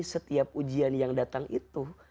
setiap ujian yang datang itu